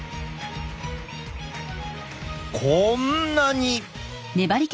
こんなに。